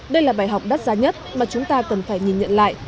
đây là bài học đắt giá nhất mà chúng ta cần phải nhìn nhận lại